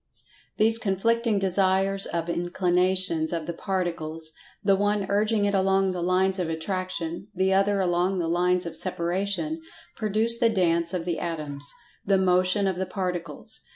These conflicting Desires of Inclinations of the Particles—the one urging it along the lines of Attraction—the other along the lines of Separation—produce the Dance of the Atoms—the Motion of the Particles.